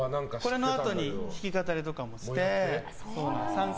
これのあとに弾き語りとかもして。